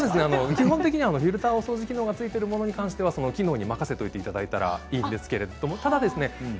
基本的にフィルターお掃除機能がついてるものに関しては機能に任せといていただいたらいいんですけれどもただですね